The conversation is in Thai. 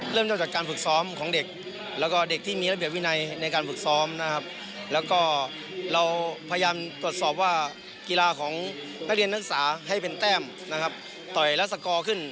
เริ่มจากการฝึกซ้อมของเด็กแล้วก็เด็กที่มีระเบียบวินัยในการฝึกซ้อมนะครับแล้วก็เราพยายามตรวจสอบว่ากีฬาของนักเรียนนักศึกษาให้เป็นแต้มนะครับต่อยและสกอร์ขึ้น